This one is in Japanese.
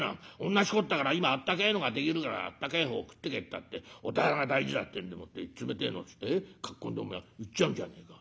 同じことだから今あったけえのができるからあったけえ方食ってけったって御店が大事だってんでもって冷てえのっつってかっ込んでお前行っちゃうんじゃねえか。